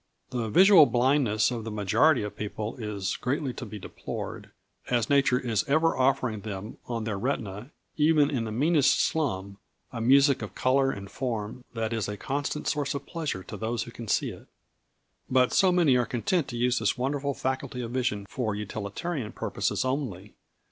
] The visual blindness of the majority of people is greatly to be deplored, as nature is ever offering them on their retina, even in the meanest slum, a music of colour and form that is a constant source of pleasure to those who can see it. But so many are content to use this wonderful faculty of vision for utilitarian purposes only.